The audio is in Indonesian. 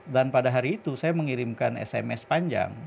dan pada hari itu saya mengirimkan sms panjang